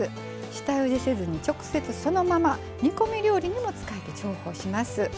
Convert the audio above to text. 下ゆでせず直接そのまま煮込み料理にも使えて重宝します。